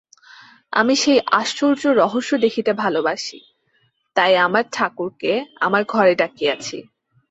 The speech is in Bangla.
আমি সেই আশ্চর্য রহস্য দেখিতে ভালোবাসি, তাই আমার ঠাকুরকে আমার ঘরে ডাকিয়াছি।